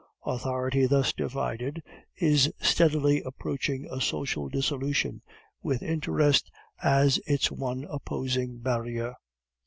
Authority thus divided is steadily approaching a social dissolution, with interest as its one opposing barrier.